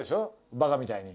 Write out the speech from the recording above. バカみたいに。